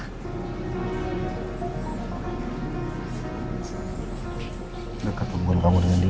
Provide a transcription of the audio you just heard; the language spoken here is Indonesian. sudah ketemuan kamu dengan dia